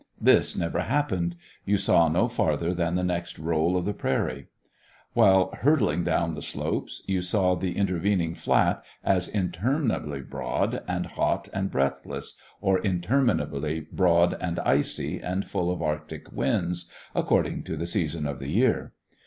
This never happened; you saw no farther than the next roll of the prairie. While hurtling down the slopes, you saw the intervening flat as interminably broad and hot and breathless, or interminably broad and icy and full of arctic winds, according to the season of the year.